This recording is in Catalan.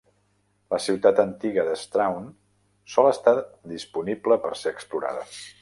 La ciutat antiga d'Strawn sol estar disponible per ser explorada.